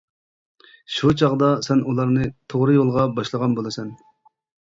شۇ چاغدا سەن ئۇلارنى توغرا يولغا باشلىغان بولىسەن.